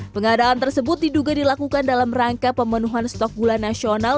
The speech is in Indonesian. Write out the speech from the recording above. pengadaan tersebut diduga dilakukan dalam rangka pemenuhan stok gula nasional